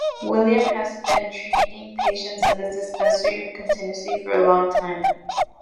William has been treating patients in this dispensary continuously for a long time.